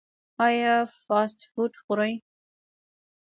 ایا فاسټ فوډ خورئ؟